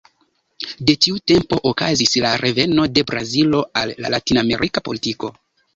De tiu tempo okazis la reveno de Brazilo al latinamerika politiko.